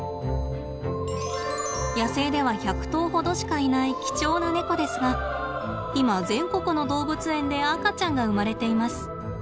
野生では１００頭ほどしかいない貴重なネコですが今全国の動物園で赤ちゃんが生まれています。